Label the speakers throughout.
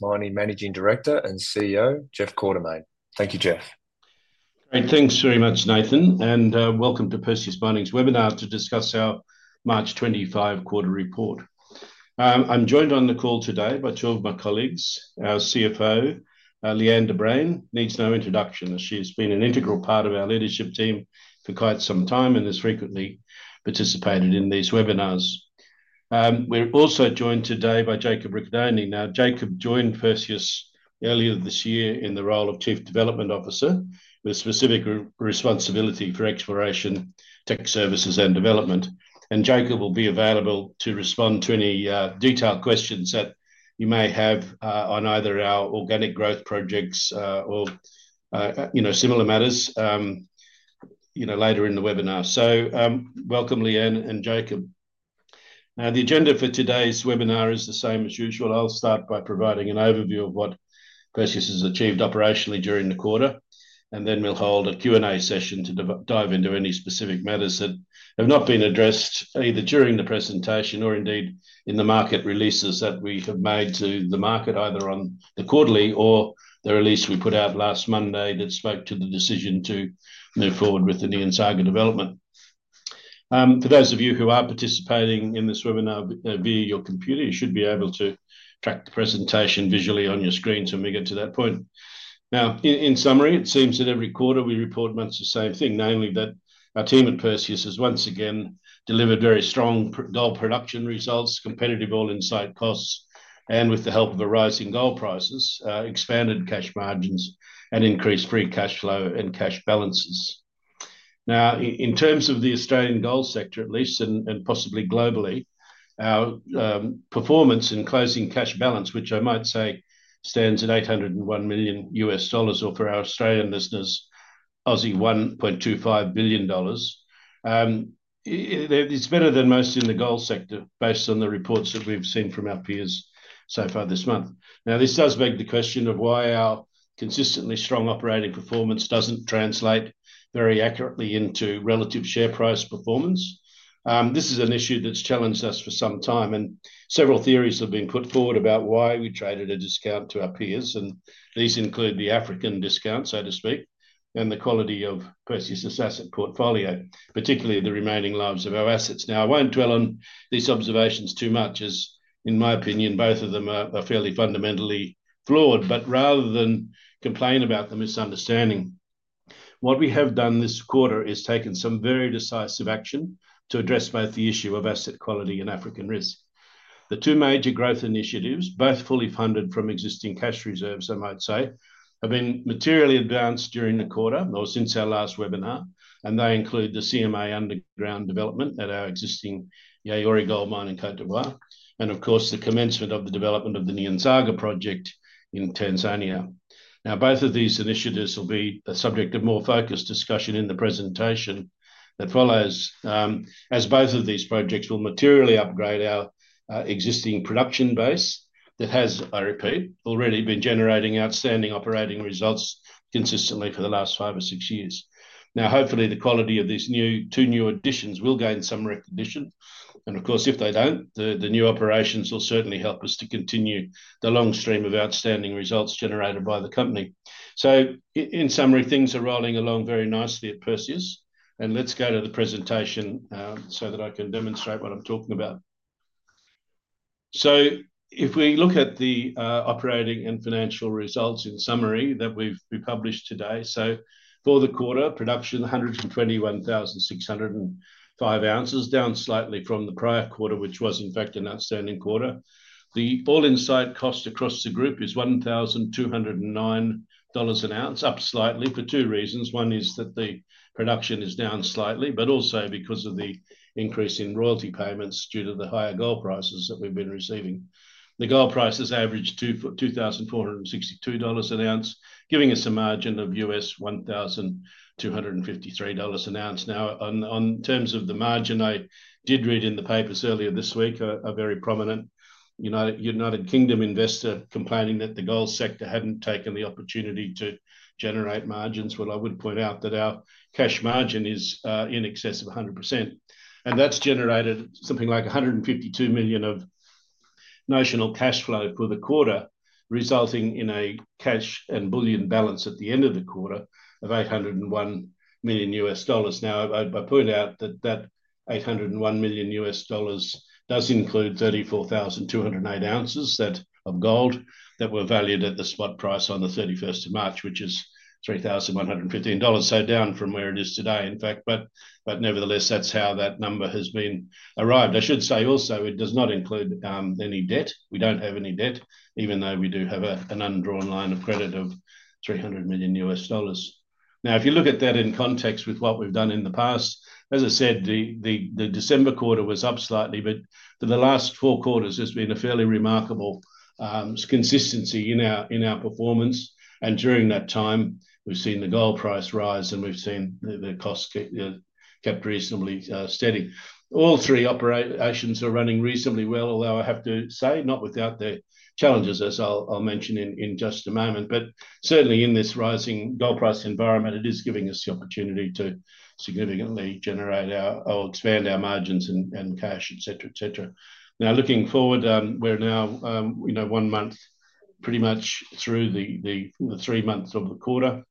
Speaker 1: Managing Director and CEO, Jeff Quartermaine. Thank you, Jeff.
Speaker 2: Great, thanks very much, Nathan, and welcome to Perseus Mining's webinar to discuss our March 25 quarter report. I'm joined on the call today by two of my colleagues. Our CFO, Lee-Anne de Bruin, needs no introduction as she has been an integral part of our leadership team for quite some time and has frequently participated in these webinars. We're also joined today by Jacob Ricciardone. Jacob joined Perseus earlier this year in the role of Chief Development Officer with specific responsibility for exploration, tech services, and development. Jacob will be available to respond to any detailed questions that you may have on either our organic growth projects or similar matters later in the webinar. Welcome, Lee-Anne and Jacob. The agenda for today's webinar is the same as usual. I'll start by providing an overview of what Perseus has achieved operationally during the quarter, and then we'll hold a Q&A session to dive into any specific matters that have not been addressed either during the presentation or indeed in the market releases that we have made to the market, either on the quarterly or the release we put out last Monday that spoke to the decision to move forward with the Nyanzaga development. For those of you who are participating in this webinar via your computer, you should be able to track the presentation visually on your screen when we get to that point. Now, in summary, it seems that every quarter we report much the same thing, namely that our team at Perseus has once again delivered very strong gold production results, competitive all-in site costs, and with the help of the rising gold prices, expanded cash margins, and increased free cash flow and cash balances. Now, in terms of the Australian gold sector, at least, and possibly globally, our performance in closing cash balance, which I might say stands at $801 million or, for our Australian listeners, 1.25 billion Aussie dollars, is better than most in the gold sector based on the reports that we have seen from our peers so far this month. Now, this does beg the question of why our consistently strong operating performance does not translate very accurately into relative share price performance. This is an issue that's challenged us for some time, and several theories have been put forward about why we trade at a discount to our peers, and these include the African discount, so to speak, and the quality of Perseus' asset portfolio, particularly the remaining loads of our assets. Now, I won't dwell on these observations too much as, in my opinion, both of them are fairly fundamentally flawed, but rather than complain about the misunderstanding, what we have done this quarter is taken some very decisive action to address both the issue of asset quality and African risk. The two major growth initiatives, both fully funded from existing cash reserves, I might say, have been materially advanced during the quarter or since our last webinar, and they include the CMA Underground development at our existing Yaouré Gold Mine in Côte d'Ivoire and, of course, the commencement of the development of the Nyanzaga project in Tanzania. Now, both of these initiatives will be the subject of more focused discussion in the presentation that follows as both of these projects will materially upgrade our existing production base that has, I repeat, already been generating outstanding operating results consistently for the last five or six years. Now, hopefully, the quality of these two new additions will gain some recognition, and of course, if they don't, the new operations will certainly help us to continue the long stream of outstanding results generated by the company. In summary, things are rolling along very nicely at Perseus, and let's go to the presentation so that I can demonstrate what I'm talking about. If we look at the operating and financial results in summary that we've published today, for the quarter, production was 121,605 oz, down slightly from the prior quarter, which was in fact an outstanding quarter. The all-in site cost across the group is $1,209 an ounce, up slightly for two reasons. One is that the production is down slightly, but also because of the increase in royalty payments due to the higher gold prices that we've been receiving. The gold prices average $2,462 an ounce, giving us a margin of $1,253 an ounce. Now, in terms of the margin, I did read in the papers earlier this week a very prominent U.K. investor complaining that the gold sector hadn't taken the opportunity to generate margins. I would point out that our cash margin is in excess of 100%, and that's generated something like $152 million of notional cash flow for the quarter, resulting in a cash and bullion balance at the end of the quarter of $801 million. I would point out that that $801 million does include 34,208 oz of gold that were valued at the spot price on the 31st March, which is $3,115, down from where it is today, in fact. Nevertheless, that's how that number has been arrived. I should say also it does not include any debt. We don't have any debt, even though we do have an undrawn line of credit of $300 million. Now, if you look at that in context with what we've done in the past, as I said, the December quarter was up slightly, but for the last four quarters, there's been a fairly remarkable consistency in our performance. During that time, we've seen the gold price rise, and we've seen the costs kept reasonably steady. All three operations are running reasonably well, although I have to say not without their challenges, as I'll mention in just a moment. Certainly, in this rising gold price environment, it is giving us the opportunity to significantly generate or expand our margins and cash, et cetera, et cetera. Now, looking forward, we're now one month pretty much through the three months of the quarter.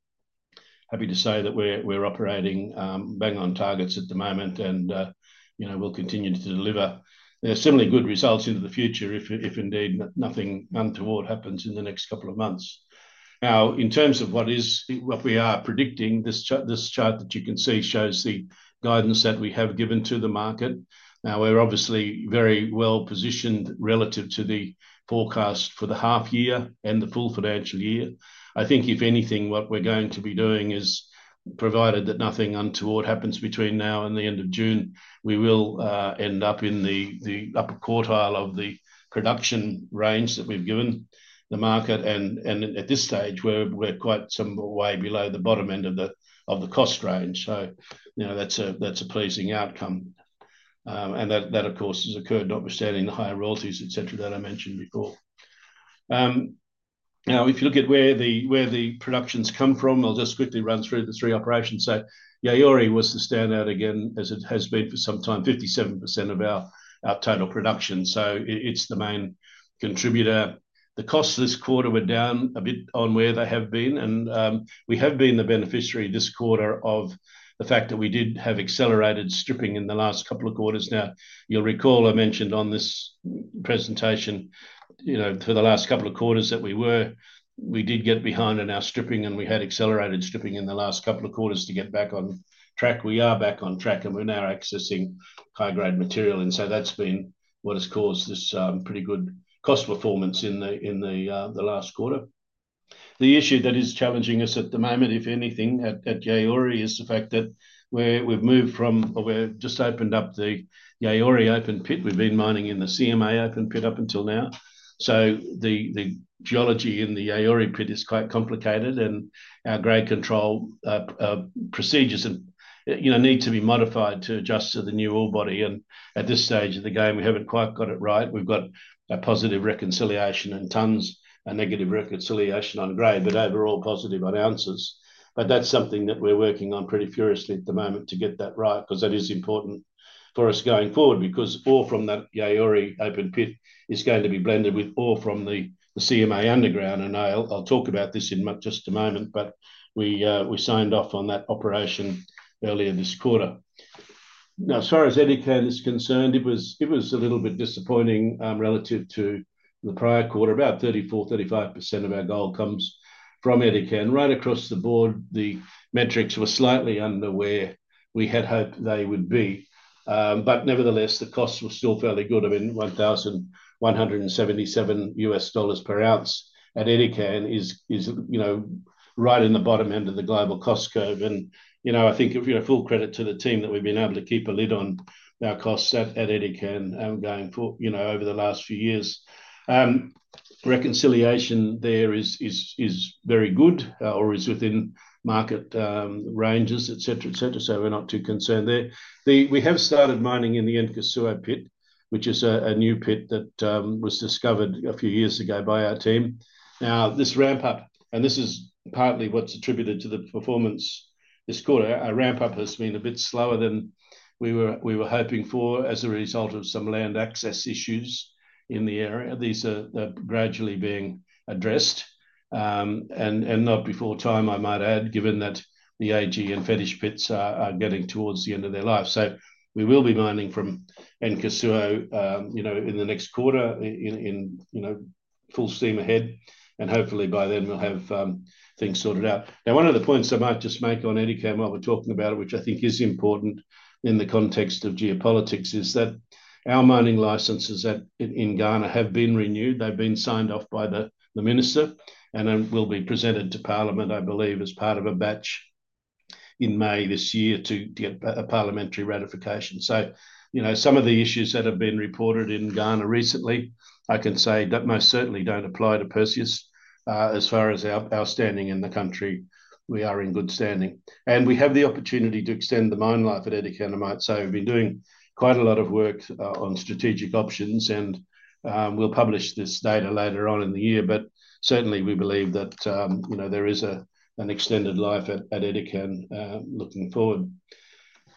Speaker 2: Happy to say that we're operating bang on targets at the moment, and we'll continue to deliver similarly good results into the future if indeed nothing untoward happens in the next couple of months. Now, in terms of what we are predicting, this chart that you can see shows the guidance that we have given to the market. Now, we're obviously very well positioned relative to the forecast for the half year and the full financial year. I think, if anything, what we're going to be doing is, provided that nothing untoward happens between now and the end of June, we will end up in the upper quartile of the production range that we've given the market. At this stage, we're quite some way below the bottom end of the cost range. That's a pleasing outcome. That, of course, has occurred notwithstanding the higher royalties, et cetera, that I mentioned before. If you look at where the production's come from, I'll just quickly run through the three operations. Yaouré was the standout again, as it has been for some time, 57% of our total production. It's the main contributor. The costs this quarter were down a bit on where they have been, and we have been the beneficiary this quarter of the fact that we did have accelerated stripping in the last couple of quarters. You'll recall I mentioned on this presentation for the last couple of quarters that we did get behind in our stripping, and we had accelerated stripping in the last couple of quarters to get back on track. We are back on track, and we're now accessing high-grade material. That's been what has caused this pretty good cost performance in the last quarter. The issue that is challenging us at the moment, if anything, at Yaouré is the fact that we've moved from, or we've just opened up the Yaouré open pit. We've been mining in the CMA open pit up until now. The geology in the Yaouré pit is quite complicated, and our grade control procedures need to be modified to adjust to the new ore body. At this stage of the game, we haven't quite got it right. We've got a positive reconciliation in tons, a negative reconciliation on grade, but overall positive on ounces. That's something that we're working on pretty furiously at the moment to get that right because that is important for us going forward because ore from that Yaouré open pit is going to be blended with ore from the CMA Underground. I'll talk about this in just a moment, but we signed off on that operation earlier this quarter. Now, as far as Edikan is concerned, it was a little bit disappointing relative to the prior quarter. About 34%-35% of our gold comes from Edikan. Right across the board, the metrics were slightly under where we had hoped they would be. Nevertheless, the costs were still fairly good. I mean, $1,177 per ounce at Edikan is right in the bottom end of the global cost curve. I think full credit to the team that we've been able to keep a lid on our costs at Edikan going forward over the last few years. Reconciliation there is very good or is within market ranges, et cetera, et cetera. We are not too concerned there. We have started mining in the Nkosuo pit, which is a new pit that was discovered a few years ago by our team. Now, this ramp-up, and this is partly what's attributed to the performance this quarter, our ramp-up has been a bit slower than we were hoping for as a result of some land access issues in the area. These are gradually being addressed and not before time, I might add, given that the AG and Fetish pits are getting towards the end of their life. We will be mining from Nkosuo in the next quarter in full steam ahead, and hopefully by then we'll have things sorted out. One of the points I might just make on Edikan while we're talking about it, which I think is important in the context of geopolitics, is that our mining licenses in Ghana have been renewed. They've been signed off by the Minister and will be presented to Parliament, I believe, as part of a batch in May this year to get a parliamentary ratification. Some of the issues that have been reported in Ghana recently, I can say that most certainly don't apply to Perseus as far as our standing in the country. We are in good standing. We have the opportunity to extend the mine life at Edikan, I might say. We've been doing quite a lot of work on strategic options, and we'll publish this data later on in the year. Certainly, we believe that there is an extended life at Edikan looking forward.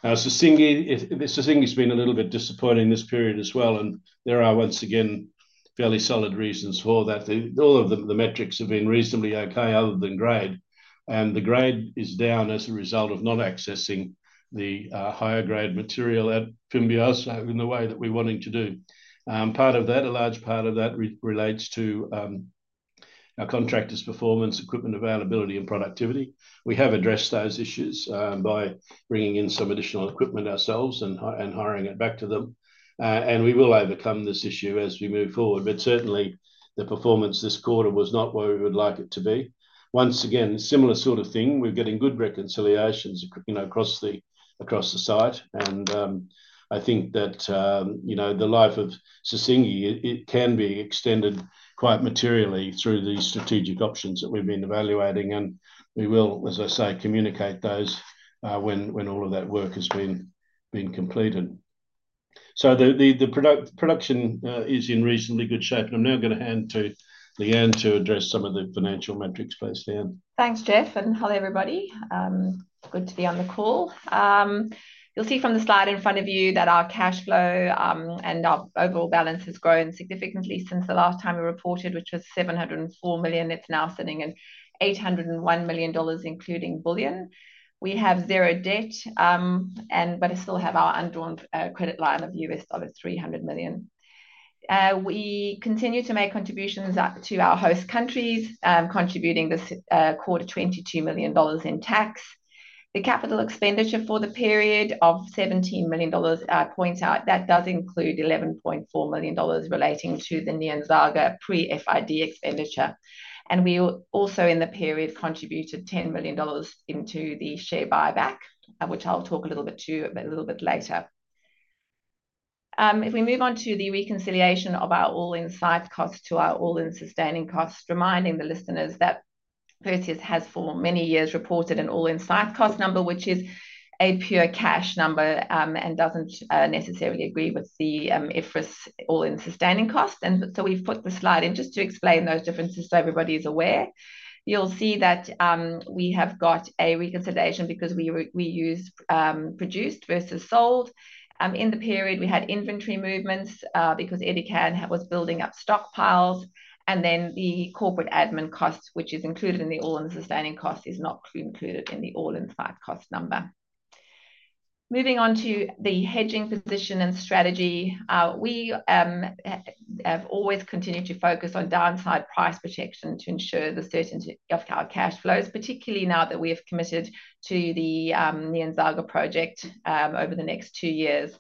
Speaker 2: Now, Sissingué, Sissingué's been a little bit disappointing this period as well, and there are once again fairly solid reasons for that. All of the metrics have been reasonably okay other than grade. The grade is down as a result of not accessing the higher grade material at Fimbiasso in the way that we're wanting to do. Part of that, a large part of that relates to our contractor's performance, equipment availability, and productivity. We have addressed those issues by bringing in some additional equipment ourselves and hiring it back to them. We will overcome this issue as we move forward. Certainly, the performance this quarter was not where we would like it to be. Once again, similar sort of thing. We're getting good reconciliations across the site. I think that the life of Sissingué, it can be extended quite materially through the strategic options that we've been evaluating. We will, as I say, communicate those when all of that work has been completed. The production is in reasonably good shape. I'm now going to hand to Lee-Anne to address some of the financial metrics, please, Lee-Anne.
Speaker 3: Thanks, Jeff. Hello, everybody. Good to be on the call. You'll see from the slide in front of you that our cash flow and our overall balance has grown significantly since the last time we reported, which was $704 million. It's now sitting at $801 million, including bullion. We have zero debt, but still have our undrawn credit line of $300 million. We continue to make contributions to our host countries, contributing this quarter $22 million in tax. The capital expenditure for the period of $17 million, I point out, that does include $11.4 million relating to the Nyanzaga pre-FID expenditure. We also in the period contributed $10 million into the share buyback, which I'll talk a little bit to a little bit later. If we move on to the reconciliation of our all-in site costs to our all-in sustaining costs, reminding the listeners that Perseus has for many years reported an all-in site cost number, which is a pure cash number and doesn't necessarily agree with the IFRS all-in sustaining costs. We have put the slide in just to explain those differences so everybody's aware. You'll see that we have got a reconciliation because we used produced versus sold. In the period, we had inventory movements because Edikan was building up stockpiles. And then the corporate admin cost, which is included in the all-in sustaining cost, is not included in the all-in site cost number. Moving on to the hedging position and strategy, we have always continued to focus on downside price protection to ensure the certainty of our cash flows, particularly now that we have committed to the Nyanzaga project over the next two years.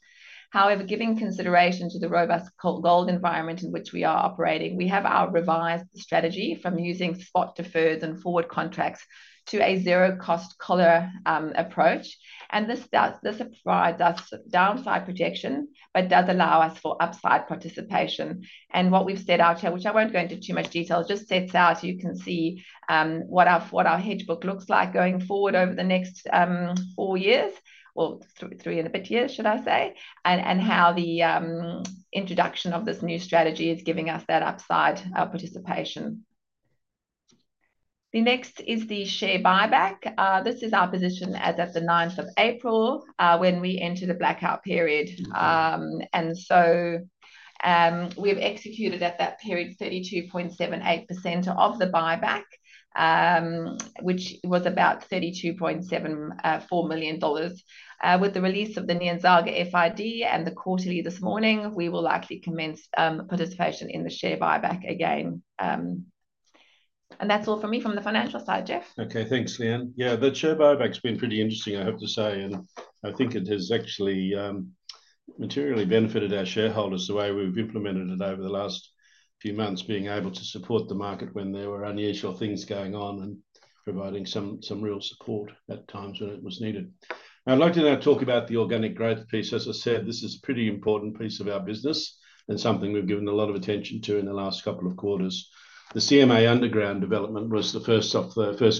Speaker 3: However, giving consideration to the robust gold environment in which we are operating, we have our revised strategy from using spot deferreds and forward contracts to a zero-cost collar approach. This provides us downside protection, but does allow us for upside participation. What we've set out here, which I won't go into too much detail, just sets out, you can see what our hedge book looks like going forward over the next four years, or three and a bit years, should I say, and how the introduction of this new strategy is giving us that upside participation. The next is the share buyback. This is our position as of the 9th April when we entered a blackout period. We've executed at that period 32.78% of the buyback, which was about 32.74 million dollars. With the release of the Nyanzaga FID and the quarterly this morning, we will likely commence participation in the share buyback again. That's all for me from the financial side, Jeff.
Speaker 2: Okay, thanks, Lee-Anne. Yeah, the share buyback's been pretty interesting, I have to say. I think it has actually materially benefited our shareholders the way we've implemented it over the last few months, being able to support the market when there were unusual things going on and providing some real support at times when it was needed. I'd like to now talk about the organic growth piece. As I said, this is a pretty important piece of our business and something we've given a lot of attention to in the last couple of quarters. The CMA Underground development was the first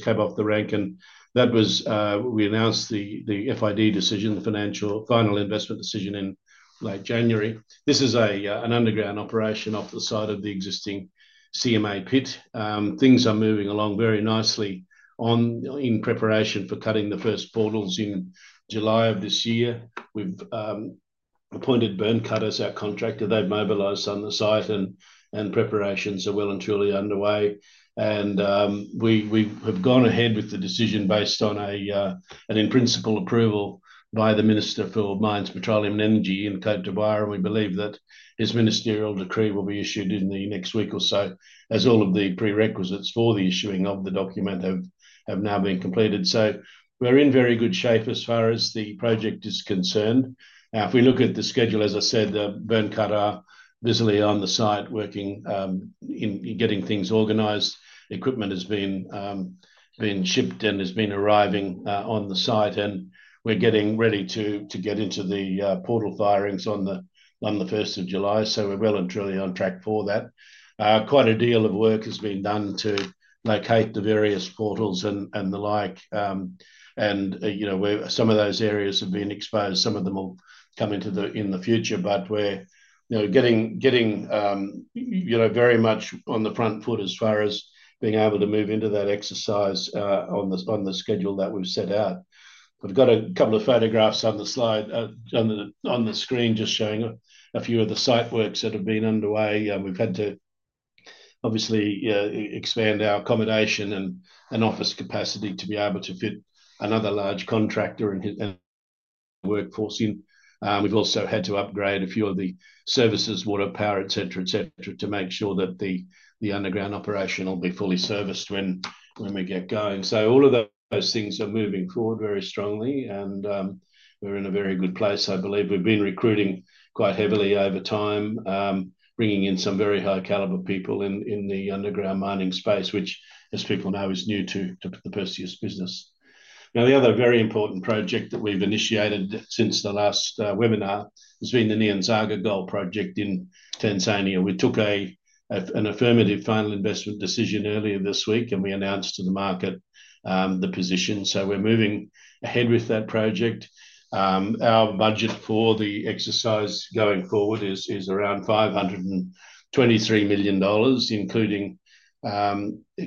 Speaker 2: cab off the rank. That was when we announced the FID, the final investment decision, in late January. This is an underground operation off the side of the existing CMA pit. Things are moving along very nicely in preparation for cutting the first portals in July of this year. We've appointed Byrnecut as our contractor. They've mobilized on the site, and preparations are well and truly underway. We have gone ahead with the decision based on an in-principle approval by the Minister for Mines, Petroleum and Energy in Côte d'Ivoire. We believe that his ministerial decree will be issued in the next week or so, as all of the prerequisites for the issuing of the document have now been completed. We are in very good shape as far as the project is concerned. Now, if we look at the schedule, as I said, Byrnecut are busily on the site working, getting things organized. Equipment has been shipped and has been arriving on the site. We are getting ready to get into the portal firings on the 1st July. We are well and truly on track for that. Quite a deal of work has been done to locate the various portals and the like. Some of those areas have been exposed. Some of them will come into the in the future. We are getting very much on the front foot as far as being able to move into that exercise on the schedule that we have set out. I have got a couple of photographs on the slide, on the screen, just showing a few of the site works that have been underway. We have had to obviously expand our accommodation and office capacity to be able to fit another large contractor and workforce in. We have also had to upgrade a few of the services, water, power, et cetera, et cetera, to make sure that the underground operation will be fully serviced when we get going. All of those things are moving forward very strongly. We're in a very good place, I believe. We've been recruiting quite heavily over time, bringing in some very high-caliber people in the underground mining space, which, as people know, is new to the Perseus business. The other very important project that we've initiated since the last webinar has been the Nyanzaga Gold project in Tanzania. We took an affirmative final investment decision earlier this week, and we announced to the market the position. We're moving ahead with that project. Our budget for the exercise going forward is around $523 million, including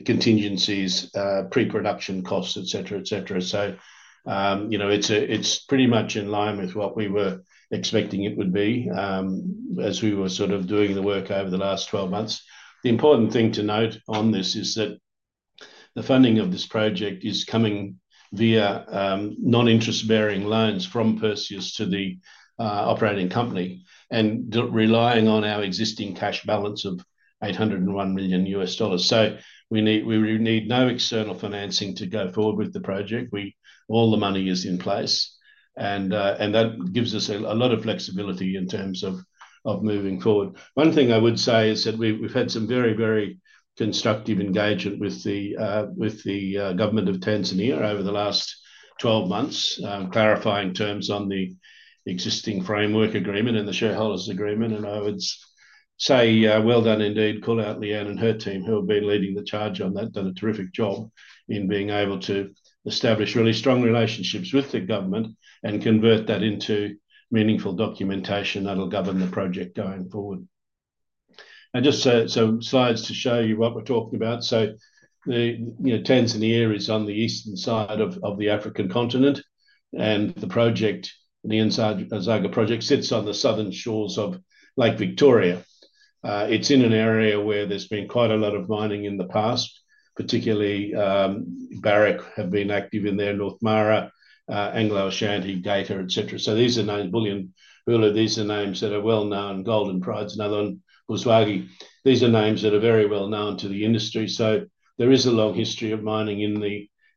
Speaker 2: contingencies, pre-production costs, et cetera, et cetera. It's pretty much in line with what we were expecting it would be as we were sort of doing the work over the last 12 months. The important thing to note on this is that the funding of this project is coming via non-interest-bearing loans from Perseus to the operating company and relying on our existing cash balance of $801 million. We need no external financing to go forward with the project. All the money is in place. That gives us a lot of flexibility in terms of moving forward. One thing I would say is that we've had some very, very constructive engagement with the government of Tanzania over the last 12 months, clarifying terms on the existing framework agreement and the shareholders' agreement. I would say, well done indeed, call out Lee-Anne and her team who have been leading the charge on that. Done a terrific job in being able to establish really strong relationships with the government and convert that into meaningful documentation that'll govern the project going forward. Just some slides to show you what we're talking about. Tanzania is on the eastern side of the African continent. The Nyanzaga project sits on the southern shores of Lake Victoria. It's in an area where there's been quite a lot of mining in the past, particularly Barrick have been active in there, North Mara, AngloGold Ashanti, et cetera. These are names, Bulyanhulu, these are names that are well known, Golden Pride, another one, Buzwagi. These are names that are very well known to the industry. There is a long history of mining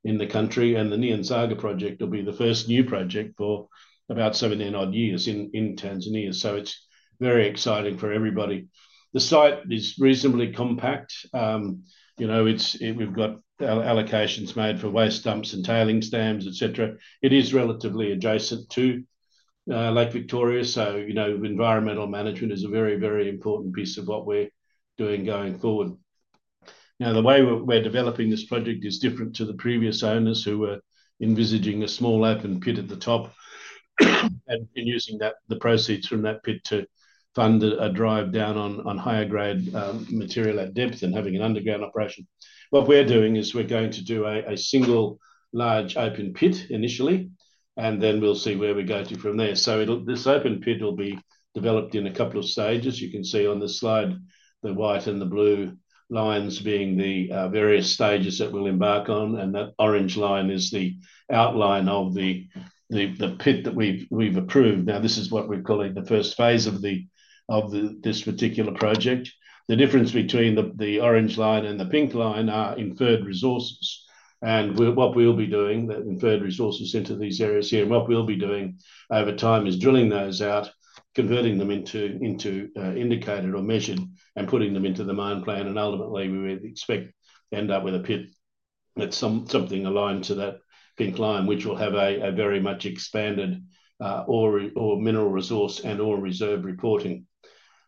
Speaker 2: in the country. The Nyanzaga project will be the first new project for about 17 years in Tanzania. It is very exciting for everybody. The site is reasonably compact. We have allocations made for waste dumps and tailings dams, et cetera. It is relatively adjacent to Lake Victoria. Environmental management is a very, very important piece of what we are doing going forward. Now, the way we are developing this project is different to the previous owners who were envisaging a small open pit at the top and using the proceeds from that pit to fund a drive down on higher grade material at depth and having an underground operation. What we are doing is we are going to do a single large open pit initially, and then we will see where we go to from there. This open pit will be developed in a couple of stages. You can see on the slide, the white and the blue lines being the various stages that we will embark on. That orange line is the outline of the pit that we've approved. This is what we're calling the first phase of this particular project. The difference between the orange line and the pink line are inferred resources. What we'll be doing, the inferred resources into these areas here, and what we'll be doing over time is drilling those out, converting them into indicated or measured, and putting them into the mine plan. Ultimately, we would expect to end up with a pit that's something aligned to that pink line, which will have a very much expanded ore or mineral resource and ore reserve reporting.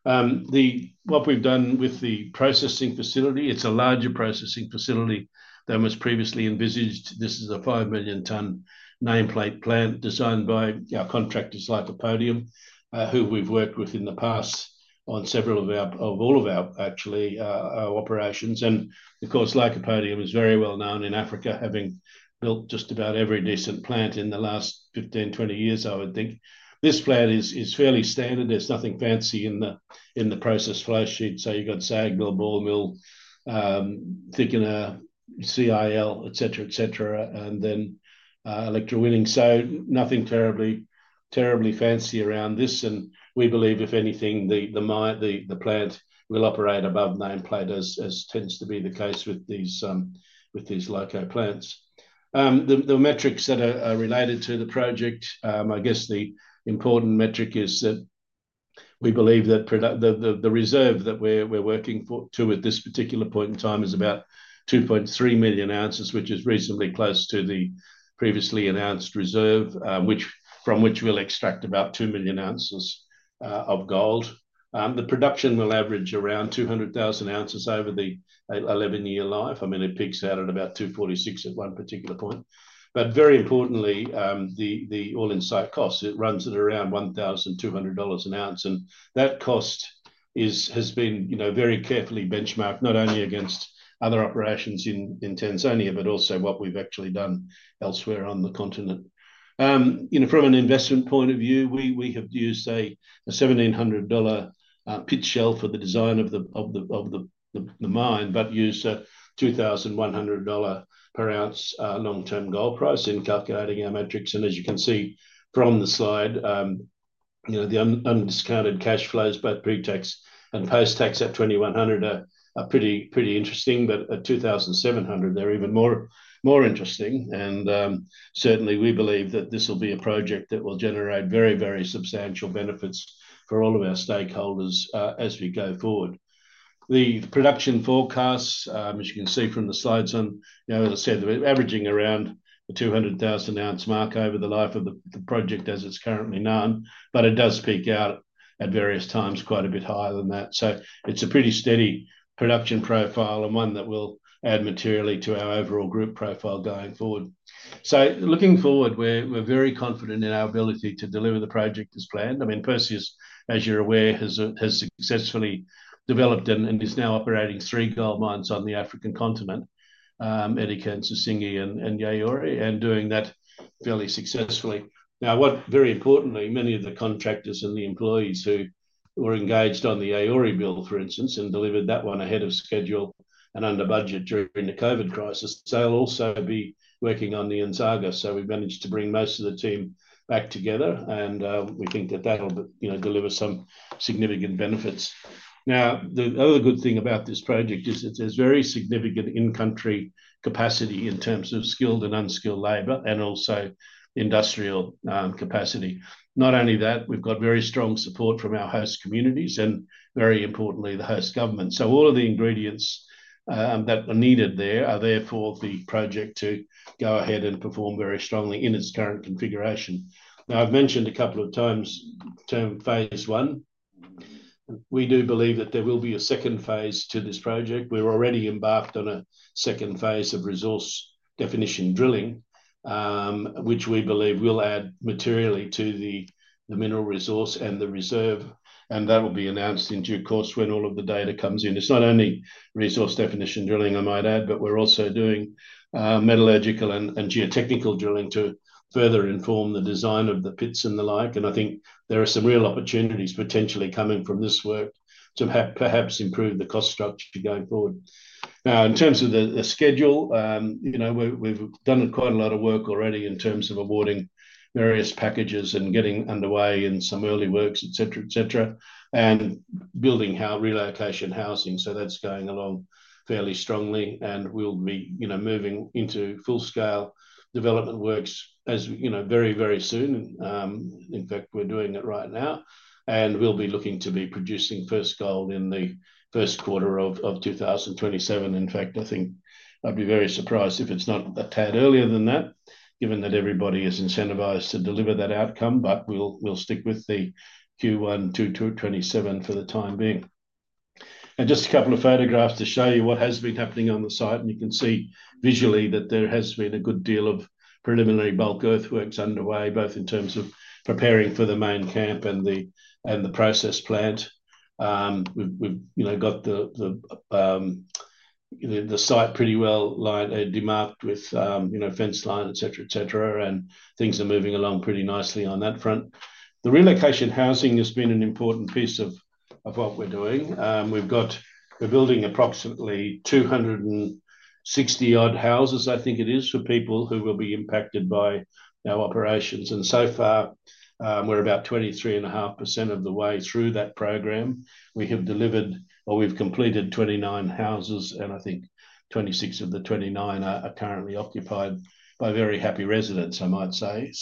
Speaker 2: What we've done with the processing facility, it's a larger processing facility than was previously envisaged. This is a 5 million ton nameplate plant designed by our contractors, Lycopodium, who we've worked with in the past on several of all of our, actually, operations. Lycopodium is very well known in Africa, having built just about every decent plant in the last 15-20 years, I would think. This plant is fairly standard. There's nothing fancy in the process flowsheet. You have SAG mill, ball mill, thickener, CIL, et cetera, et cetera, and then electrowinning. Nothing terribly fancy around this. We believe, if anything, the plant will operate above nameplate, as tends to be the case with these Lycopodium plants. The metrics that are related to the project, I guess the important metric is that we believe that the reserve that we're working to at this particular point in time is about 2.3 million oz, which is reasonably close to the previously announced reserve, from which we'll extract about 2 million oz of gold. The production will average around 200,000 oz over the 11-year life. I mean, it peaks out at about 246,000 at one particular point. Very importantly, the all-in site cost runs at around $1,200 an ounce. That cost has been very carefully benchmarked, not only against other operations in Tanzania, but also what we've actually done elsewhere on the continent. From an investment point of view, we have used a $1,700 pit shell for the design of the mine, but used a $2,100 per ounce long-term gold price in calculating our metrics. As you can see from the slide, the undiscounted cash flows, both pre-tax and post-tax at $2,100, are pretty interesting. At $2,700, they're even more interesting. Certainly, we believe that this will be a project that will generate very, very substantial benefits for all of our stakeholders as we go forward. The production forecasts, as you can see from the slides, as I said, we're averaging around the 200,000 oz mark over the life of the project as it's currently known. It does peak out at various times quite a bit higher than that. It is a pretty steady production profile and one that will add materially to our overall group profile going forward. Looking forward, we're very confident in our ability to deliver the project as planned. I mean, Perseus, as you're aware, has successfully developed and is now operating three gold mines on the African continent, Edikan, Sissingué, and Yaouré, and doing that fairly successfully. Now, very importantly, many of the contractors and the employees who were engaged on the Yaouré build, for instance, and delivered that one ahead of schedule and under budget during the COVID crisis, they'll also be working on Nyanzaga. We've managed to bring most of the team back together. We think that that'll deliver some significant benefits. The other good thing about this project is it has very significant in-country capacity in terms of skilled and unskilled labor and also industrial capacity. Not only that, we've got very strong support from our host communities and, very importantly, the host government. All of the ingredients that are needed there are there for the project to go ahead and perform very strongly in its current configuration. I've mentioned a couple of times the term phase one. We do believe that there will be a second phase to this project. We're already embarked on a second phase of resource definition drilling, which we believe will add materially to the mineral resource and the reserve. That will be announced in due course when all of the data comes in. It's not only resource definition drilling, I might add, but we're also doing metallurgical and geotechnical drilling to further inform the design of the pits and the like. I think there are some real opportunities potentially coming from this work to perhaps improve the cost structure going forward. Now, in terms of the schedule, we've done quite a lot of work already in terms of awarding various packages and getting underway in some early works, et cetera, et cetera, and building relocation housing. That is going along fairly strongly. We will be moving into full-scale development works very, very soon. In fact, we are doing it right now. We will be looking to be producing first gold in the first quarter of 2027. In fact, I think I would be very surprised if it is not a tad earlier than that, given that everybody is incentivized to deliver that outcome. We will stick with the Q1 2027 for the time being. Just a couple of photographs to show you what has been happening on the site. You can see visually that there has been a good deal of preliminary bulk earthworks underway, both in terms of preparing for the main camp and the process plant. We have the site pretty well demarked with fence line, et cetera, et cetera. Things are moving along pretty nicely on that front. The relocation housing has been an important piece of what we are doing. We are building approximately 260-odd houses, I think it is, for people who will be impacted by our operations. So far, we are about 23.5% of the way through that program. We have delivered, or we have completed, 29 houses. I think 26 of the 29 are currently occupied by very happy residents, I might say.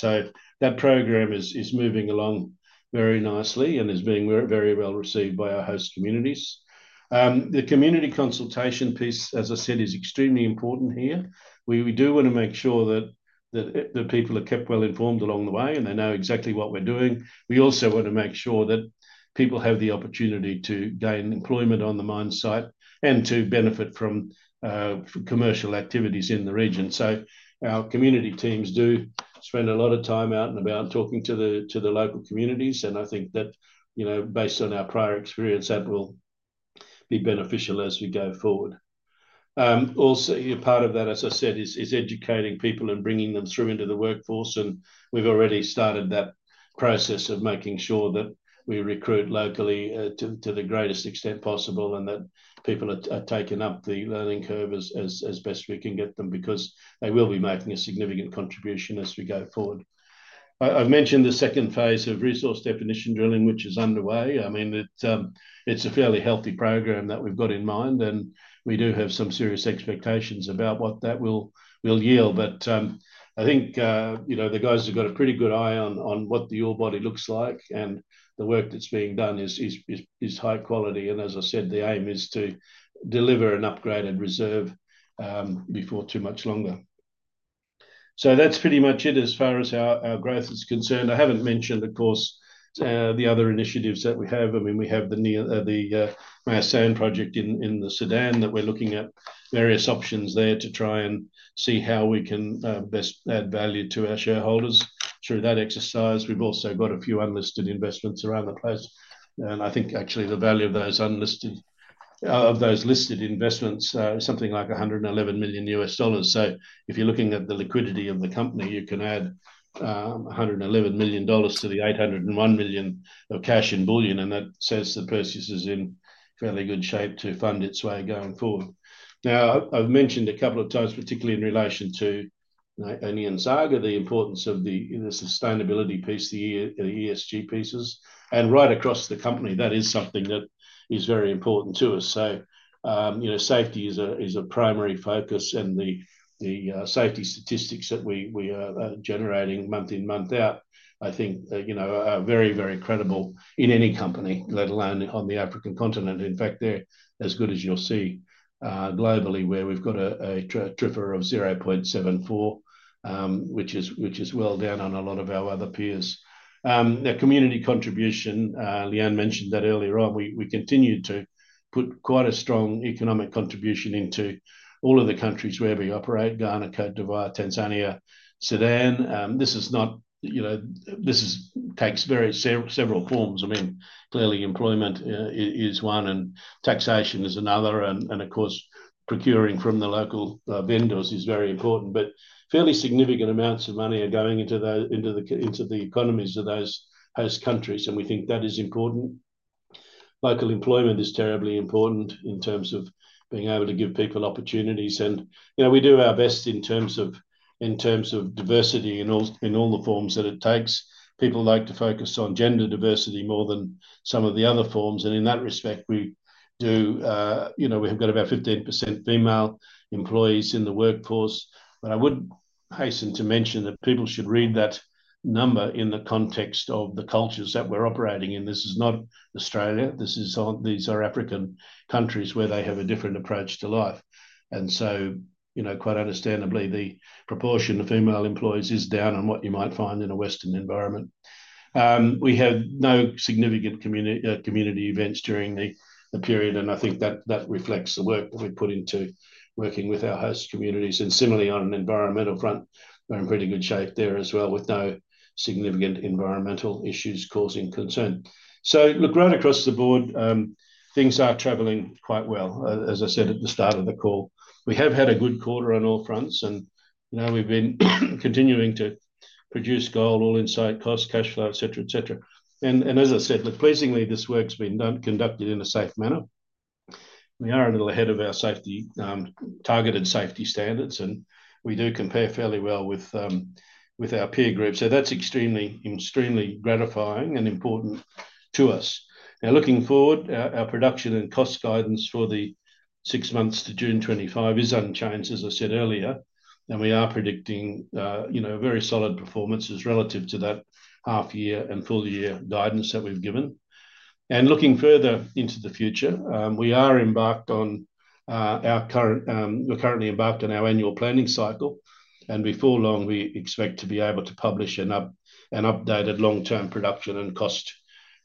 Speaker 2: That program is moving along very nicely and is being very well received by our host communities. The community consultation piece, as I said, is extremely important here. We do want to make sure that the people are kept well informed along the way and they know exactly what we're doing. We also want to make sure that people have the opportunity to gain employment on the mine site and to benefit from commercial activities in the region. Our community teams do spend a lot of time out and about talking to the local communities. I think that, based on our prior experience, that will be beneficial as we go forward. Also, part of that, as I said, is educating people and bringing them through into the workforce. We have already started that process of making sure that we recruit locally to the greatest extent possible and that people are taken up the learning curve as best we can get them because they will be making a significant contribution as we go forward. I've mentioned the second phase of resource definition drilling, which is underway. I mean, it's a fairly healthy program that we've got in mind. I mean, we do have some serious expectations about what that will yield. I think the guys have got a pretty good eye on what the ore body looks like. The work that's being done is high quality. As I said, the aim is to deliver an upgraded reserve before too much longer. That's pretty much it as far as our growth is concerned. I haven't mentioned, of course, the other initiatives that we have. I mean, we have the Meyas Sand project in Sudan that we're looking at, various options there to try and see how we can best add value to our shareholders through that exercise. We've also got a few unlisted investments around the place. I think, actually, the value of those listed investments is something like $111 million. If you're looking at the liquidity of the company, you can add $111 million to the $801 million of cash in bullion. That says Perseus is in fairly good shape to fund its way going forward. I've mentioned a couple of times, particularly in relation to Nyanzaga, the importance of the sustainability piece, the ESG pieces. Right across the company, that is something that is very important to us. Safety is a primary focus. The safety statistics that we are generating month in, month out, I think, are very, very credible in any company, let alone on the African continent. In fact, they're as good as you'll see globally, where we've got a TRIFR of 0.74, which is well down on a lot of our other peers. The community contribution, Lee-Anne mentioned that earlier on. We continued to put quite a strong economic contribution into all of the countries where we operate: Ghana, Côte d'Ivoire, Tanzania, Sudan. This takes several forms. I mean, clearly, employment is one, and taxation is another. Of course, procuring from the local vendors is very important. Fairly significant amounts of money are going into the economies of those host countries. We think that is important. Local employment is terribly important in terms of being able to give people opportunities. We do our best in terms of diversity in all the forms that it takes. People like to focus on gender diversity more than some of the other forms. In that respect, we do have about 15% female employees in the workforce. I would hasten to mention that people should read that number in the context of the cultures that we are operating in. This is not Australia. These are African countries where they have a different approach to life. Quite understandably, the proportion of female employees is down on what you might find in a Western environment. We have no significant community events during the period. I think that reflects the work that we have put into working with our host communities. Similarly, on an environmental front, we are in pretty good shape there as well, with no significant environmental issues causing concern. Right across the board, things are traveling quite well, as I said at the start of the call. We have had a good quarter on all fronts. We have been continuing to produce gold, ore in site, cost, cash flow, et cetera, et cetera. As I said, pleasingly, this work's been conducted in a safe manner. We are a little ahead of our targeted safety standards. We do compare fairly well with our peer group. That is extremely, extremely gratifying and important to us. Looking forward, our production and cost guidance for the six months to June 2025 is unchanged, as I said earlier. We are predicting very solid performances relative to that half-year and full-year guidance that we have given. Looking further into the future, we are currently embarked on our annual planning cycle. Before long, we expect to be able to publish an updated long-term production and cost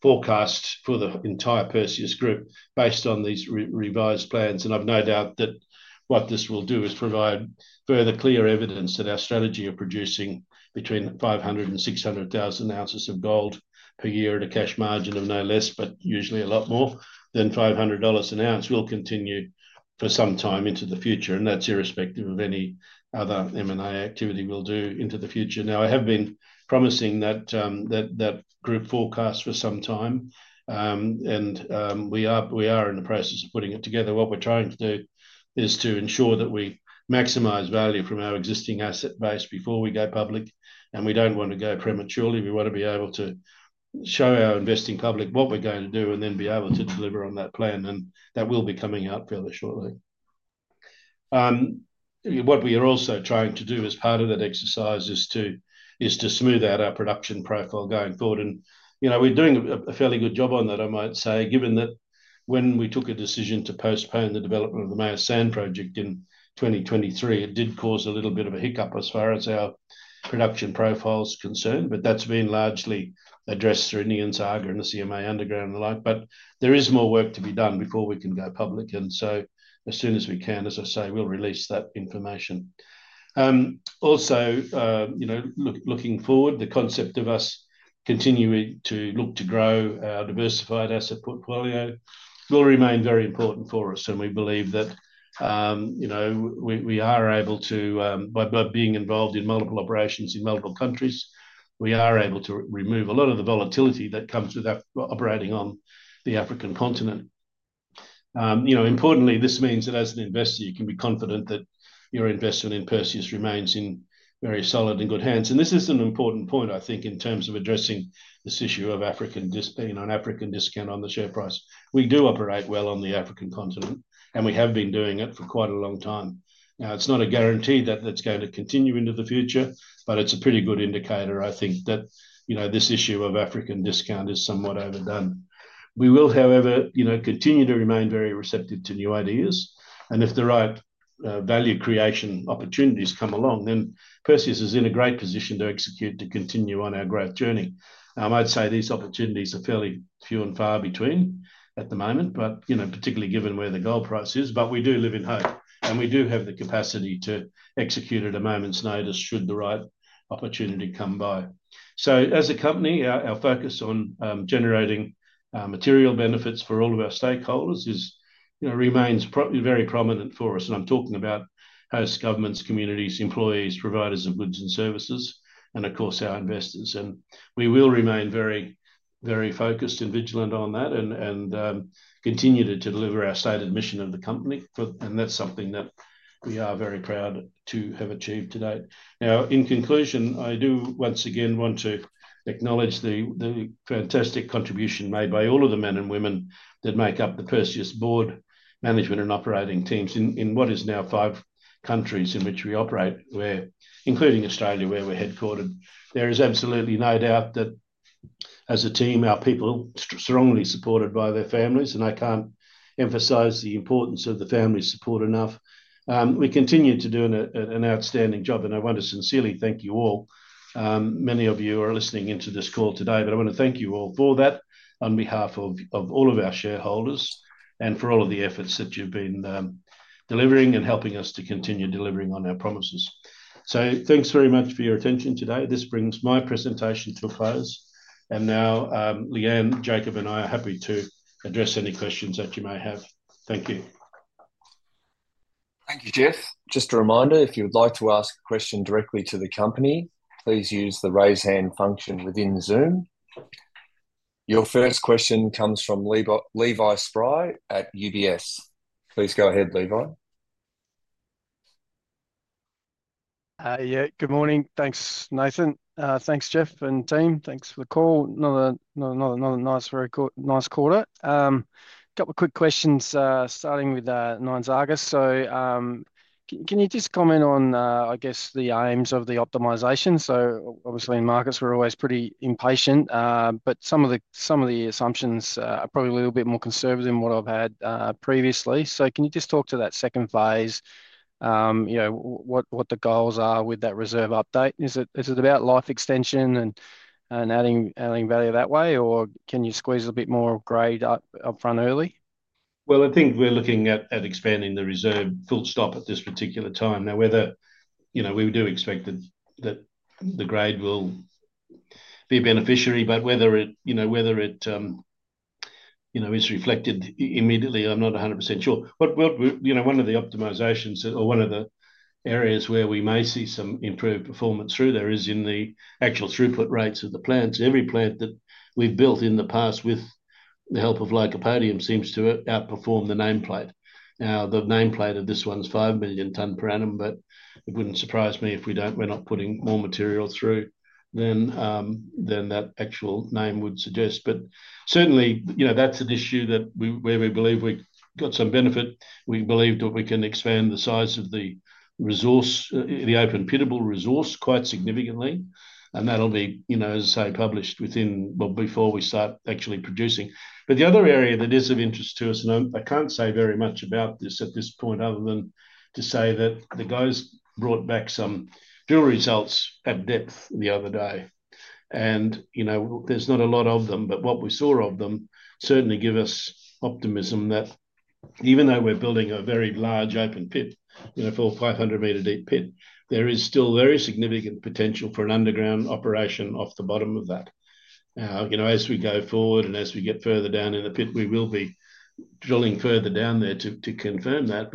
Speaker 2: forecast for the entire Perseus group based on these revised plans. I have no doubt that what this will do is provide further clear evidence that our strategy of producing between 500,000 oz-600,000 oz of gold per year at a cash margin of no less, but usually a lot more than $500 an ounce, will continue for some time into the future. That is irrespective of any other M&A activity we will do into the future. I have been promising that group forecast for some time. We are in the process of putting it together. What we are trying to do is to ensure that we maximize value from our existing asset base before we go public. We do not want to go prematurely. We want to be able to show our investing public what we are going to do and then be able to deliver on that plan. That will be coming out fairly shortly. What we are also trying to do as part of that exercise is to smooth out our production profile going forward. We're doing a fairly good job on that, I might say, given that when we took a decision to postpone the development of the Nyanzaga project in 2023, it did cause a little bit of a hiccup as far as our production profile is concerned. That has been largely addressed through Nyanzaga and the CMA Underground and the like. There is more work to be done before we can go public. As soon as we can, as I say, we'll release that information. Also, looking forward, the concept of us continuing to look to grow our diversified asset portfolio will remain very important for us. We believe that we are able to, by being involved in multiple operations in multiple countries, remove a lot of the volatility that comes with operating on the African continent. Importantly, this means that as an investor, you can be confident that your investment in Perseus remains in very solid and good hands. This is an important point, I think, in terms of addressing this issue of African discount on the share price. We do operate well on the African continent, and we have been doing it for quite a long time. Now, it's not a guarantee that that's going to continue into the future, but it's a pretty good indicator, I think, that this issue of African discount is somewhat overdone. We will, however, continue to remain very receptive to new ideas. If the right value creation opportunities come along, then Perseus is in a great position to execute to continue on our growth journey. I might say these opportunities are fairly few and far between at the moment, particularly given where the gold price is. We do live in hope. We do have the capacity to execute at a moment's notice should the right opportunity come by. As a company, our focus on generating material benefits for all of our stakeholders remains very prominent for us. I'm talking about host governments, communities, employees, providers of goods and services, and of course, our investors. We will remain very, very focused and vigilant on that and continue to deliver our stated mission of the company. That is something that we are very proud to have achieved today. Now, in conclusion, I do once again want to acknowledge the fantastic contribution made by all of the men and women that make up the Perseus board, management, and operating teams in what is now five countries in which we operate, including Australia, where we're headquartered. There is absolutely no doubt that as a team, our people, strongly supported by their families. I can't emphasize the importance of the family support enough. We continue to do an outstanding job. I want to sincerely thank you all. Many of you are listening into this call today. I want to thank you all for that on behalf of all of our shareholders and for all of the efforts that you've been delivering and helping us to continue delivering on our promises. Thanks very much for your attention today. This brings my presentation to a close. Lee-Anne, Jacob, and I are happy to address any questions that you may have. Thank you.
Speaker 1: Thank you, Jeff. Just a reminder, if you would like to ask a question directly to the company, please use the raise hand function within Zoom. Your first question comes from Levi Spry at UBS. Please go ahead, Levi.
Speaker 4: Yeah, good morning. Thanks, Nathan. Thanks, Jeff and team. Thanks for the call. Another nice quarter. A couple of quick questions starting with Nyanzaga. Can you just comment on, I guess, the aims of the optimization? Obviously, in markets, we're always pretty impatient. Some of the assumptions are probably a little bit more conservative than what I've had previously. Can you just talk to that second phase, what the goals are with that reserve update? Is it about life extension and adding value that way? Can you squeeze a bit more grade upfront early?
Speaker 2: I think we're looking at expanding the reserve full stop at this particular time. Now, we do expect that the grade will be a beneficiary, but whether it is reflected immediately, I'm not 100% sure. One of the optimizations or one of the areas where we may see some improved performance through there is in the actual throughput rates of the plants. Every plant that we've built in the past with the help of Lycopodium seems to outperform the nameplate. The nameplate of this one is 5 million ton per annum. It wouldn't surprise me if we're not putting more material through than that actual name would suggest. Certainly, that's an issue where we believe we've got some benefit. We believe that we can expand the size of the open pittable resource quite significantly. That'll be, as I say, published before we start actually producing. The other area that is of interest to us, and I can't say very much about this at this point other than to say that the guys brought back some drill results at depth the other day. There's not a lot of them. What we saw of them certainly gives us optimism that even though we're building a very large open pit, a full 500-meter deep pit, there is still very significant potential for an underground operation off the bottom of that. As we go forward and as we get further down in the pit, we will be drilling further down there to confirm that.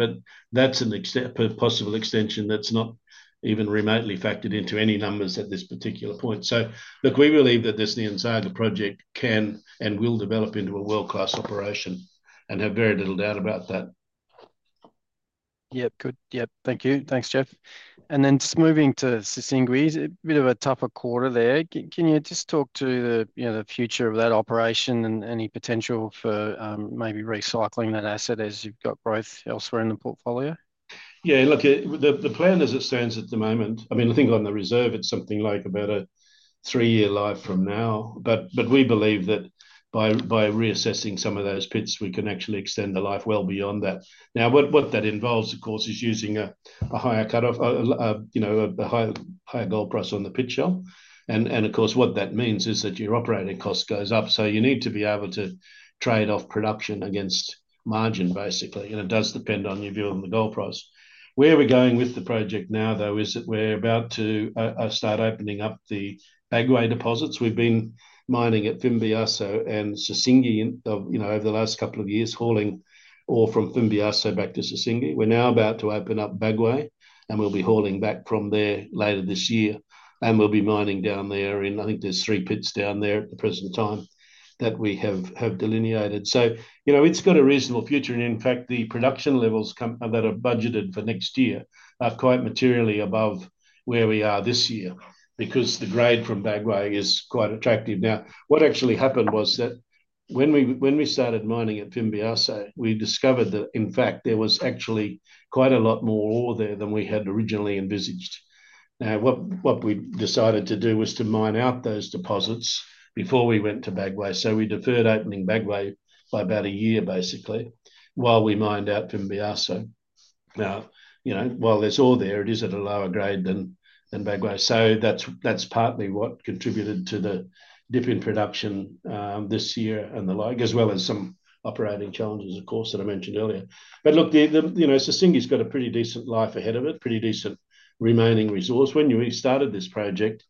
Speaker 2: That's a possible extension that's not even remotely factored into any numbers at this particular point. Look, we believe that this Nyanzaga project can and will develop into a world-class operation and have very little doubt about that.
Speaker 4: Yeah, good. Yeah, thank you. Thanks, Jeff. Just moving to Sissingué, a bit of a tougher quarter there. Can you just talk to the future of that operation and any potential for maybe recycling that asset as you've got growth elsewhere in the portfolio?
Speaker 2: Yeah, look, the plan, as it stands at the moment, I mean, I think on the reserve, it's something like about a three-year life from now. We believe that by reassessing some of those pits, we can actually extend the life well beyond that. Now, what that involves, of course, is using a higher cut-off, a higher gold price on the pit shell. Of course, what that means is that your operating cost goes up. You need to be able to trade off production against margin, basically. It does depend on your view on the gold price. Where we are going with the project now, though, is that we are about to start opening up the Bagoé deposits. We have been mining at Fimbiasso and Sissingué over the last couple of years, hauling ore from Fimbiasso back to Sissingué. We are now about to open up Bagoé. We will be hauling back from there later this year. We will be mining down there. I think there are three pits down there at the present time that we have delineated. It has a reasonable future. In fact, the production levels that are budgeted for next year are quite materially above where we are this year because the grade from Bagoé is quite attractive. Now, what actually happened was that when we started mining at Fimbiasso, we discovered that, in fact, there was actually quite a lot more ore there than we had originally envisaged. Now, what we decided to do was to mine out those deposits before we went to Bagoé. We deferred opening Bagoé by about a year, basically, while we mined out Fimbiasso. Now, while there's ore there, it is at a lower grade than Bagoé. That's partly what contributed to the dip in production this year and the like, as well as some operating challenges, of course, that I mentioned earlier. Look, Sissingué's got a pretty decent life ahead of it, pretty decent remaining resource. When we started this project,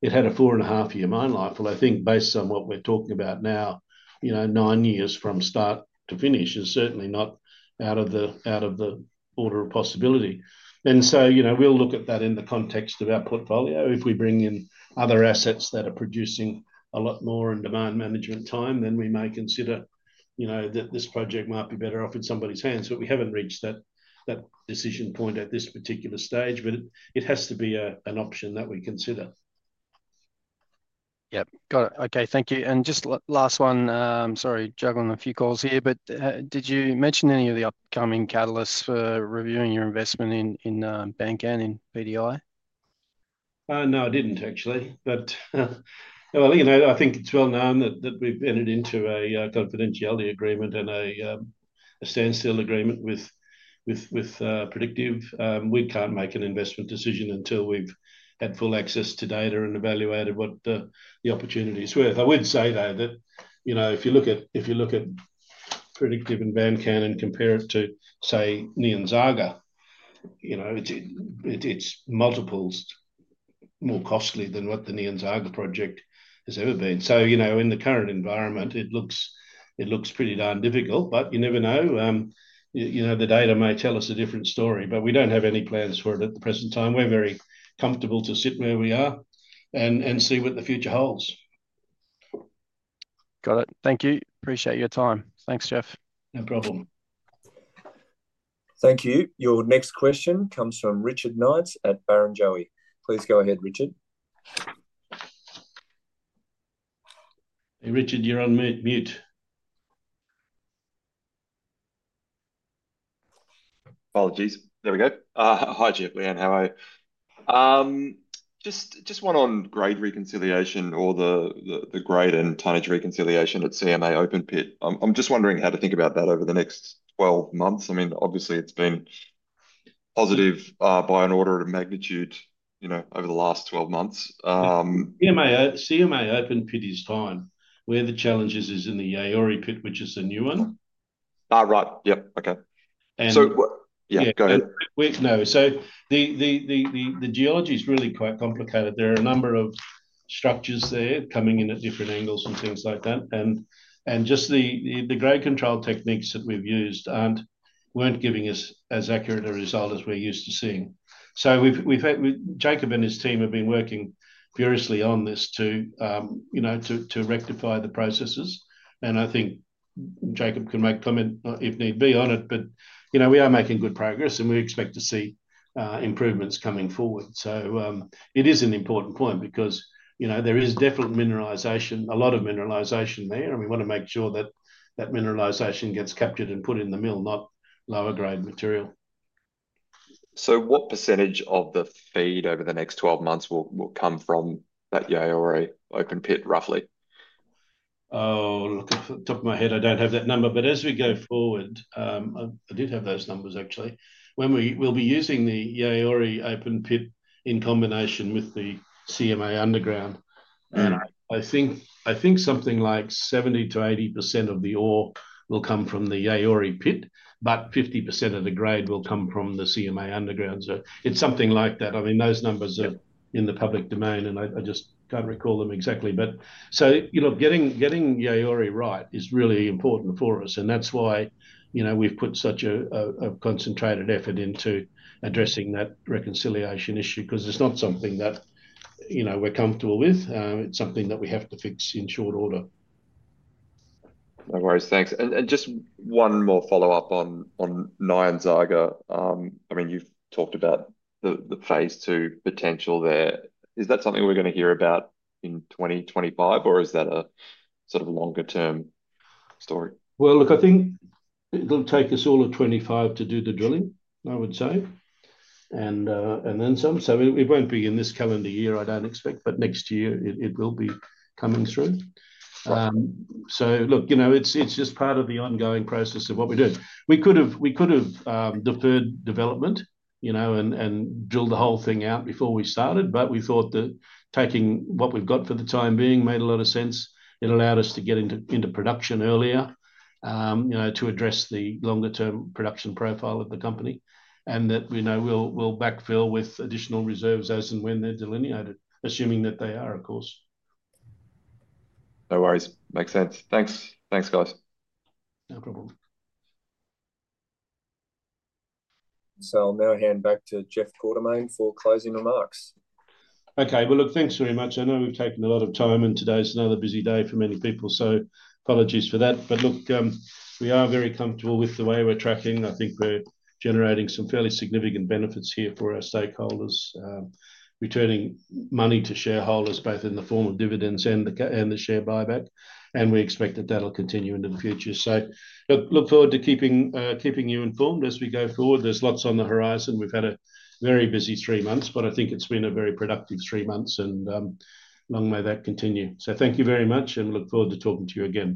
Speaker 2: it had a four-and-a-half-year mine life. I think based on what we're talking about now, nine years from start to finish is certainly not out of the order of possibility. We will look at that in the context of our portfolio. If we bring in other assets that are producing a lot more in demand management time, then we may consider that this project might be better off in somebody's hands. We have not reached that decision point at this particular stage. It has to be an option that we consider.
Speaker 4: Yep. Got it. Okay, thank you. Just last one. Sorry, juggling a few calls here. Did you mention any of the upcoming catalysts for reviewing your investment in Bankan in Guinea?
Speaker 2: No, I did not, actually. I think it is well known that we have entered into a confidentiality agreement and a standstill agreement with Predictive. We can't make an investment decision until we've had full access to data and evaluated what the opportunity is worth. I would say, though, that if you look at Predictive in Bankan and compare it to, say, Nyanzaga, it's multiples more costly than what the Nyanzaga project has ever been. In the current environment, it looks pretty darn difficult. You never know. The data may tell us a different story. We don't have any plans for it at the present time. We're very comfortable to sit where we are and see what the future holds.
Speaker 4: Got it. Thank you. Appreciate your time. Thanks, Jeff.
Speaker 2: No problem.
Speaker 1: Thank you. Your next question comes from Richard Knights at Barrenjoey. Please go ahead, Richard.
Speaker 2: Hey, Richard, you're on mute.
Speaker 5: Apologies. There we go. Hi, Jeff, Lee-Anne. How are you? Just one on grade reconciliation or the grade and tonnage reconciliation at CMA Open Pit. I'm just wondering how to think about that over the next 12 months. I mean, obviously, it's been positive by an order of magnitude over the last 12 months.
Speaker 2: CMA Open Pit is fine. Where the challenge is, is in the Yaouré Pit, which is a new one.
Speaker 5: Right. Yep. Okay.
Speaker 2: The geology is really quite complicated. There are a number of structures there coming in at different angles and things like that. Just the grade control techniques that we've used weren't giving us as accurate a result as we're used to seeing. Jacob and his team have been working furiously on this to rectify the processes. I think Jacob can make comment if need be on it.
Speaker 6: We are making good progress. We expect to see improvements coming forward. It is an important point because there is definitely a lot of mineralization there. We want to make sure that that mineralization gets captured and put in the mill, not lower-grade material.
Speaker 5: What percentage of the feed over the next 12 months will come from that Yaouré Open Pit, roughly?
Speaker 6: Oh, look, off the top of my head, I don't have that number. As we go forward, I did have those numbers, actually. We'll be using the Yaouré Open Pit in combination with the CMA Underground. I think something like 70%-80% of the ore will come from the Yaouré Pit, but 50% of the grade will come from the CMA Underground. It is something like that. I mean, those numbers are in the public domain. I just can't recall them exactly. Getting Yaouré right is really important for us. That is why we've put such a concentrated effort into addressing that reconciliation issue because it's not something that we're comfortable with. It's something that we have to fix in short order.
Speaker 5: No worries. Thanks. Just one more follow-up on Nyanzaga. I mean, you've talked about the phase two potential there. Is that something we're going to hear about in 2025? Is that a sort of longer-term story?
Speaker 6: I think it'll take us all of 2025 to do the drilling, I would say, and then some. It won't be in this calendar year, I don't expect. Next year, it will be coming through. It's just part of the ongoing process of what we do. We could have deferred development and drilled the whole thing out before we started. But we thought that taking what we've got for the time being made a lot of sense. It allowed us to get into production earlier to address the longer-term production profile of the company and that we'll backfill with additional reserves as and when they're delineated, assuming that they are, of course.
Speaker 5: No worries. Makes sense. Thanks, guys. No problem.
Speaker 1: I will now hand back to Jeff Quartermaine for closing remarks.
Speaker 2: Okay. Look, thanks very much. I know we've taken a lot of time. Today's another busy day for many people. Apologies for that. Look, we are very comfortable with the way we're tracking. I think we're generating some fairly significant benefits here for our stakeholders, returning money to shareholders, both in the form of dividends and the share buyback. We expect that that'll continue into the future. I look forward to keeping you informed as we go forward. There is lots on the horizon. We have had a very busy three months. I think it has been a very productive three months. Long may that continue. Thank you very much. I look forward to talking to you again.